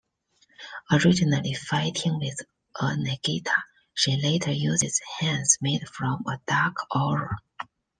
Originally fighting with a Nagita, she later uses hands made from a dark aura.